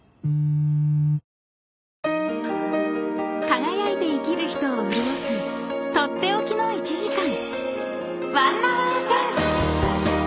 ［輝いて生きる人を潤す取って置きの１時間］